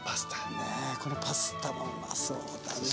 ねえこのパスタもうまそうだな。